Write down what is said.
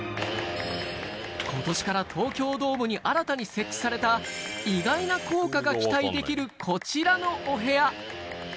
ことしから東京ドームに新たに設置された意外な効果が期待できる、こちらのお部屋。